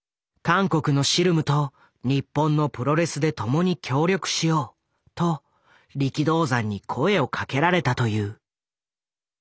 韓国のシルムと日本のプロレスで共に協力しようと力道山に声をかけられたという。